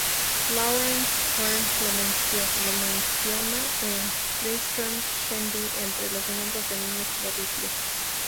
Laurence Sterne lo menciona en Tristram Shandy entre los ejemplos de niños prodigio.